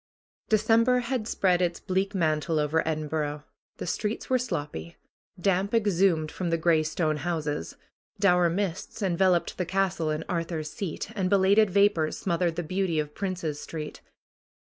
December had spread its bleak mantle over Edinburgh. The streets were sloppy. Damp exhumed from the gray stone houses. Dour mists enveloped the castle and Ar thur's Seat and belated vapors smothered the beauty of Princes Street.